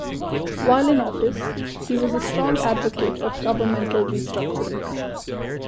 While in office, he was a strong advocate of governmental restructuring.